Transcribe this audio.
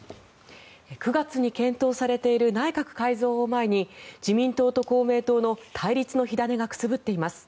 ９月に検討されている内閣改造を前に自民党と公明党の対立の火種がくすぶっています。